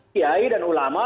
kiai dan ulama